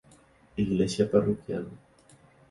Iglesia parroquial.